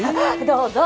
どうぞ。